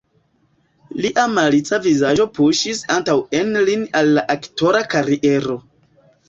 Lia malica vizaĝo puŝis antaŭen lin al la aktora kariero.